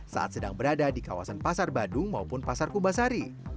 saat sedang berada di kawasan pasar badung maupun pasar kubasari